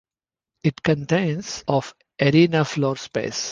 It contains of arena floor space.